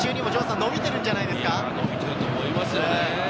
伸びていると思いますよね。